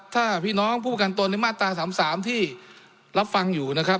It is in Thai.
ถ้าพี่น้องผู้ประกันตนในมาตรา๓๓ที่รับฟังอยู่นะครับ